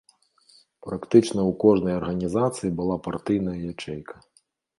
Практычна ў кожнай арганізацыі была партыйная ячэйка.